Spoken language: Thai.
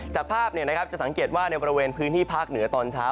จากภาพจะสังเกตว่าในบริเวณพื้นที่ภาคเหนือตอนเช้า